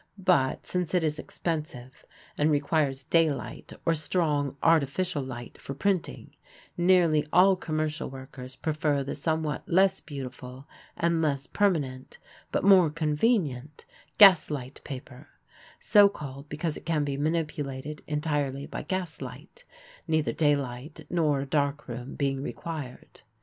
But, since it is expensive and requires daylight or strong artificial light for printing, nearly all commercial workers prefer the somewhat less beautiful and less permanent, but more convenient, gas light paper, so called because it can be manipulated entirely by gas light, neither daylight nor a dark room being required.